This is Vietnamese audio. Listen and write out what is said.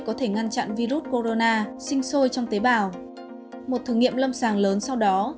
có thể ngăn chặn virus corona sinh sôi trong tế bào một thử nghiệm lâm sàng lớn sau đó